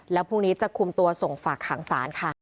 แล้วพรุ่งนี้จะคุมตัวส่งฝากขังศาลค่ะ